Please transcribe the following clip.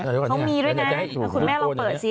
เขามีด้วยนะคุณแม่ลองเปิดซิ